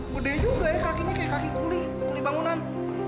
gede juga ya kakinya kayak kaki kuli bangunan